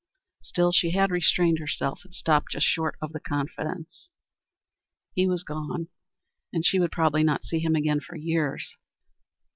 Still, she had restrained herself, and stopped just short of the confidence. He was gone, and she would probably not see him again for years.